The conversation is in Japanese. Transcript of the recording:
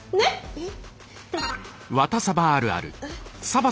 えっ。